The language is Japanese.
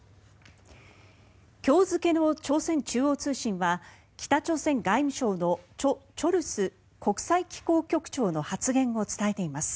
今日付の朝鮮中央通信は北朝鮮外務省のチョ・チョルス国際機構局長の発言を伝えています。